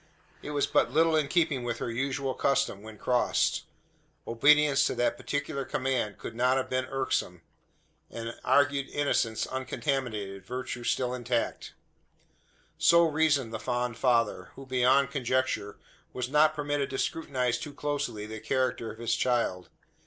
It was but little in keeping with her usual custom, when crossed. Obedience to that particular command could not have been irksome; and argued innocence uncontaminated, virtue still intact. So reasoned the fond father; who, beyond conjecture, was not permitted to scrutinise too closely the character of his child.